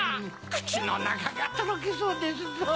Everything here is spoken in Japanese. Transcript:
くちのなかがとろけそうですぞ。